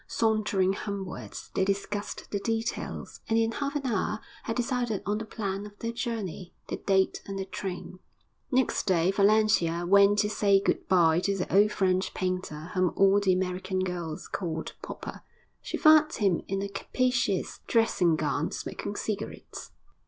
Sauntering homewards, they discussed the details, and in half an hour had decided on the plan of their journey, the date and the train. Next day Valentia went to say good bye to the old French painter whom all the American girls called Popper. She found him in a capacious dressing gown, smoking cigarettes.